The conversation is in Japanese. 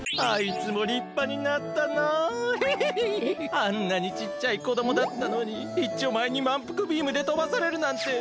あんなにちっちゃいこどもだったのにいっちょうまえにまんぷくビームでとばされるなんて。